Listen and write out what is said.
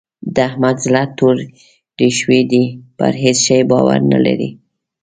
د احمد زړه توری شوی دی؛ پر هيڅ شي باور نه لري.